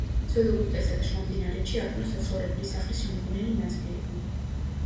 ძველ ეგვიპტესა და შუამდინარეთში აბანო საცხოვრებლი სახლის შემადგენელი ნაწილი იყო.